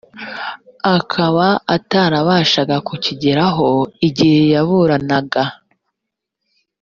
akaba atarabashaga kukigeraho igihe yaburanaga